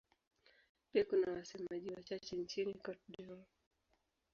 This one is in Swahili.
Pia kuna wasemaji wachache nchini Cote d'Ivoire.